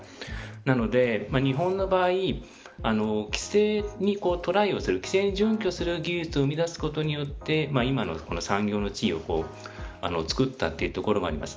なので、日本の場合規制にトライをする規制に準拠する技術を生み出すことによって今のこの産業の地位をつくったというところもあります。